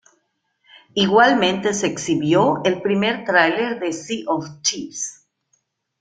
Igualmente se exhibió el primer trailer de Sea of Thieves.